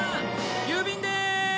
郵便です。